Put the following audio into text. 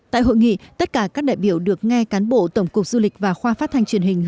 tại hội nghị tất cả các đại biểu được nghe cán bộ tổng cục du lịch và khoa phát thanh truyền hình